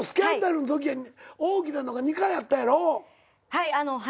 はい。